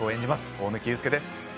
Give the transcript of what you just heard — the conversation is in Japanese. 大貫勇輔です